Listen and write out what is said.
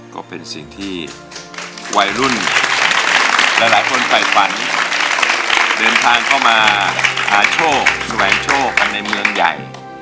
ก็เป็นสิ่งที่วัยรุ่นหลายคนฝ่ายฝันเดินทางเข้ามาหาโชคแสวงโชคกันในเมืองใหญ่